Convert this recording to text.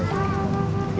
iya pak ustadz